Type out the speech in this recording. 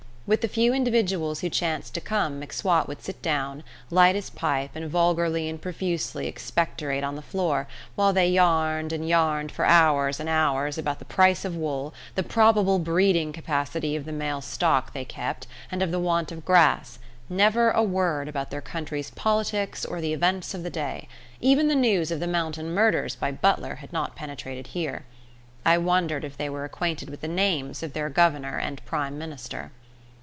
With the few individuals who chanced to come M'Swat would sit down, light his pipe, and vulgarly and profusely expectorate on the floor, while they yarned and yarned for hours and hours about the price of wool, the probable breeding capacity of the male stock they kept, and of the want of grass never a word about their country's politics or the events of the day; even the news of the "Mountain Murders" by Butler had not penetrated here. I wondered if they were acquainted with the names of their Governor and Prime Minister.